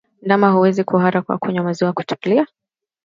Ndama huweza kuhara kwa kunywa maziwa kupitiliza